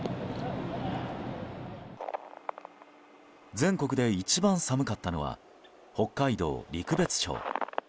全国で一番寒かったのは北海道陸別町。